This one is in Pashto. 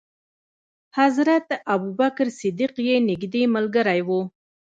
حضرت ابو بکر صدیق یې نېږدې ملګری و.